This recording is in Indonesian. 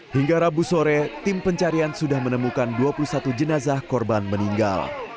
hingga rabu sore tim pencarian sudah menemukan dua puluh satu jenazah korban meninggal